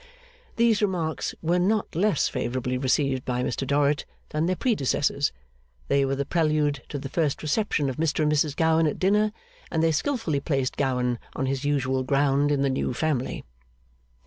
These remarks were not less favourably received by Mr Dorrit than their predecessors. They were the prelude to the first reception of Mr and Mrs Gowan at dinner, and they skilfully placed Gowan on his usual ground in the new family.